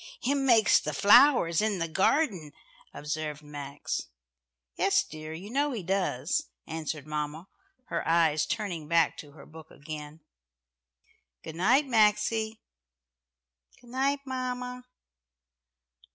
"Him makes the flowers in the garden," observed Max. "Yes, dear, you know He does," answered mamma, her eyes turning back to her book again. "Good night, Maxie." "Good night, mamma.